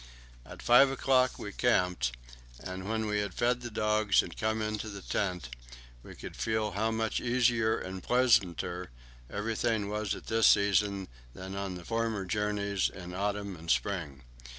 At five o'clock we camped, and when we had fed the dogs and come into the tent we could feel how much easier and pleasanter everything was at this season than on the former journeys in autumn and spring.